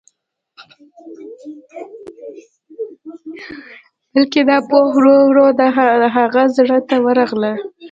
بلکې دا پوهه ورو ورو د هغه زړه ته ورغله.